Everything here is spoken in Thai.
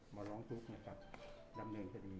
มาร้องทุกข์นะครับดำเนินคดี